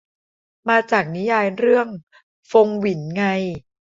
มาจากนิยายเรื่องฟงหวินไง